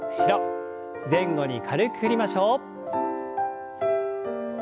前後に軽く振りましょう。